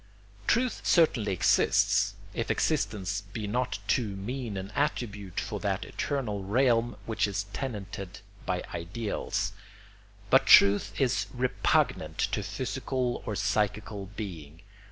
Truth certainly exists, if existence be not too mean an attribute for that eternal realm which is tenanted by ideals; but truth is repugnant to physical or psychical being.